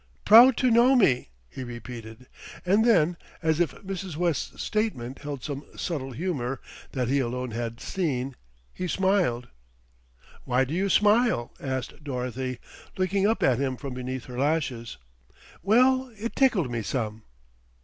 "Proud to know me!" he repeated, and then as if Mrs. West's statement held some subtle humour that he alone had seen, he smiled. "Why do you smile?" asked Dorothy, looking up at him from beneath her lashes. "Well, it tickled me some."